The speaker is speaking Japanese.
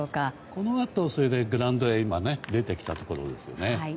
このあとグラウンドへ出てきたところですね。